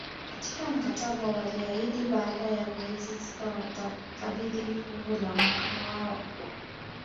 Katika mkataba waliahidi baada ya miezi sita watakabidhi fuvu la Mkwawa